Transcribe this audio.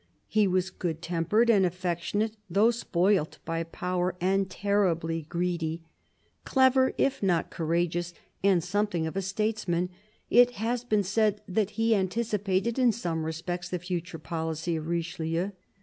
He was good tempered and affectionate, though spoilt by power and terribly greedy. 9 130 CARDINAL DE RICHELIEU Clever, if not courageous, and something of a statesman, it has been said that he " anticipated in some respects the future policy of Richelieu."